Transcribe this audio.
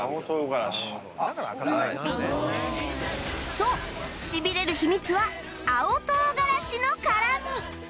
そうシビれる秘密は青唐辛子の辛み